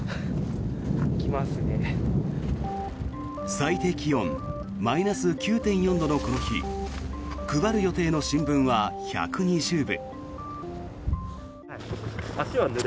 最低気温マイナス９．４度のこの日配る予定の新聞は１２０部。